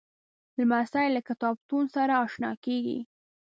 لمسی له کتابتون سره اشنا کېږي.